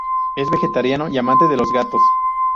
Es vegetariano y amante de los gatos.